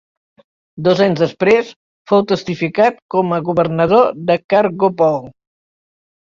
Dos anys després, fou testificat com a governador de Kargopol.